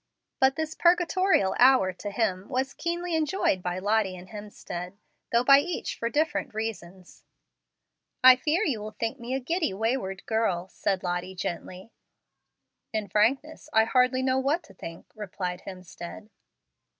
But this purgatorial hour to him was keenly enjoyed by Lottie and Hemstead, though by each for different reasons. "I fear you think me a giddy, wayward girl," said Lottie gently. "In frankness, I hardly know what to think," replied Hemstead.